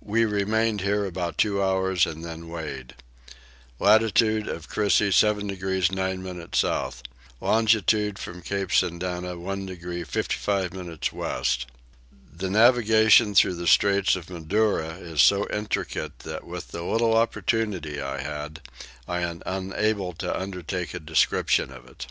We remained here about two hours and then weighed. Latitude of Crissey 7 degrees 9 minutes south. Longitude from Cape Sandana 1 degree 55 minutes west. The navigation through the Straits of Madura is so intricate that with the little opportunity I had I am unable to undertake a description of it.